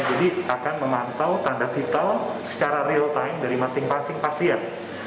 jadi akan memantau tanda vital secara real time dari masing masing pasien